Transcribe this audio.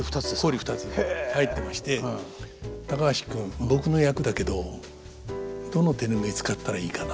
入ってまして「高橋君僕の役だけどどの手拭い使ったらいいかな」